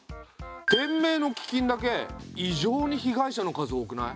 天明のききんだけ異常に被害者の数多くない？